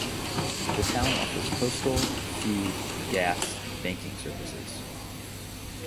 The town offers postal, food, gas, banking services.